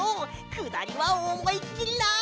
くだりはおもいっきりな！